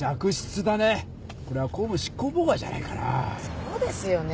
そうですよね。